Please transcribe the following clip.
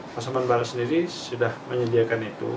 pasaman barat sendiri sudah menyediakan itu